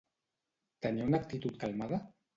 Tenia una actitud calmada?